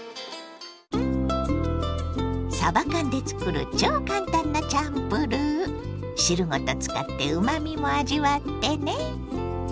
さば缶で作る超簡単なチャンプルー。汁ごと使ってうまみも味わってね。